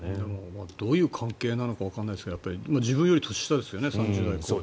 どういう関係なのかわからないですけど自分より年下ですよね。